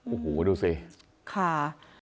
โอ้โหดูสิค่ะ